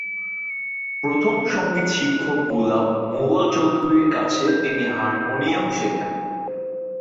প্রথম সংগীত শিক্ষক গুলাব মুঘল চৌধুরীর কাছে তিনি হারমোনিয়াম শেখেন।